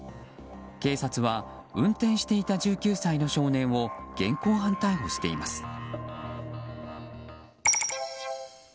警察は運転していた１９歳の少年を現行犯逮捕しています。